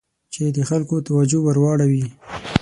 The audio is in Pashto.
چې د خلکو توجه ور واړوي.